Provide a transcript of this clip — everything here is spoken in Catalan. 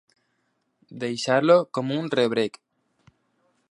Deixar-lo com un rebrec.